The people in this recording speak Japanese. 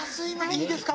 いいですか？